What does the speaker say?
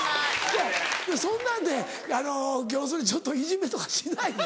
そんなんで要するにちょっといじめとかしないよ。